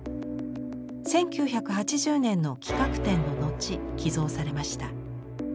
１９８０年の企画展の後寄贈されました。